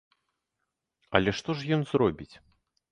Але што ж ён зробіць?